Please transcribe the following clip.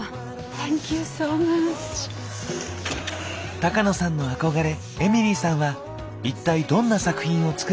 高野さんの憧れエミリーさんは一体どんな作品を作るのか。